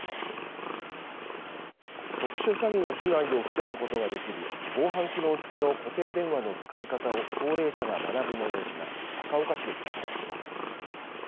特殊詐欺の被害を防ぐことができる防犯機能付きの固定電話の使い方を高齢者が学ぶ催しが高岡市で開かれました。